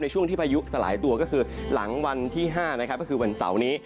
ช่วงที่พายุสลายตัวก็คือหลังวันที่๕นะครับก็คือวันเสาร์นี้